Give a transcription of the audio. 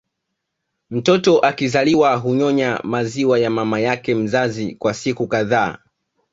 Mtoto akizaliwa hunyonya maziwa ya mama yake mzazi kwa siku kadhaa